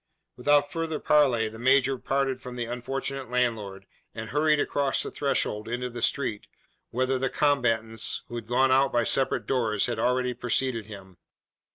Without further parley the major parted from the unfortunate landlord, and hurried across the threshold into the street, whither the combatants, who had gone out by separate doors, had already preceded him.